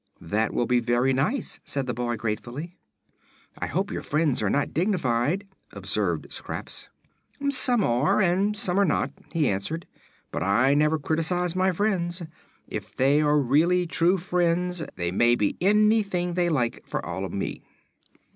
"That will be very nice," said the boy, gratefully. "I hope your friends are not dignified," observed Scraps. "Some are, and some are not," he answered; "but I never criticise my friends. If they are really true friends, they may be anything they like, for all of me."